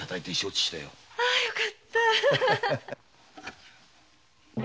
あよかった。